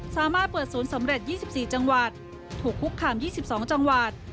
สามารถเปิดศูนย์สำเร็จ๒๔จังหวัดถูกคุกคาม๒๒จังหวัด